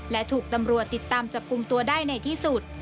และถูกตำรวจติดตามจับกลุ่มตัวได้ในที่สุด